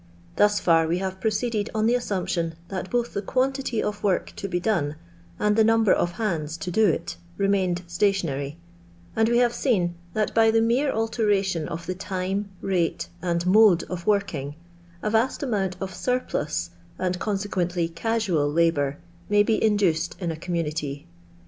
Thus far we have proceeded on the assumption that Ijoth the quantity of work to be done and the number of hands to do it remained stationar} , and we have seen that by the mere alteration of the time, rate, and mode of working, a vast amount of surplus, and, consequently, casual labour may be induced in a community.